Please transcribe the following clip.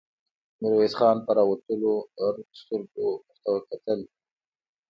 ميرويس خان په راوتلو رډو سترګو ورته کتل.